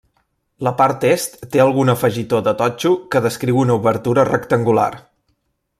La part Est té algun afegitó de totxo que descriu una obertura rectangular.